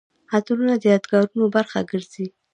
عطرونه د یادګارونو برخه ګرځي.